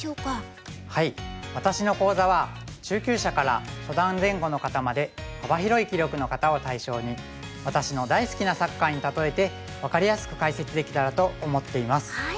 私の講座は中級者から初段前後の方まで幅広い棋力の方を対象に私の大好きなサッカーに例えて分かりやすく解説できたらと思っています。